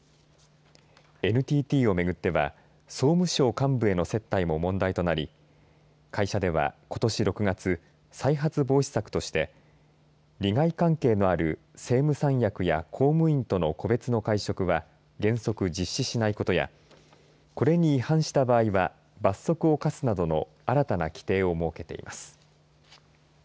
ＮＴＴをめぐっては総務省幹部への接待も問題となり会社では、ことし６月再発防止策として利害関係のある政務三役や公務員との個別の会食は原則実施しないことやこれに違反した場合は罰則を科すなどの新たな規程を設けています。